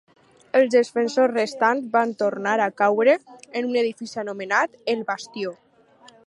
Els defensors restants van tornar a caure en un edifici anomenat el 'bastió'.